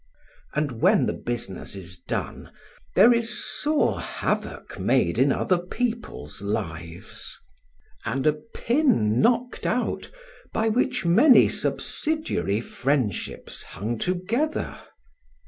And when the business is done, there is sore havoc made in other people's lives, and a pin knocked out by which many subsidiary friendships hung together.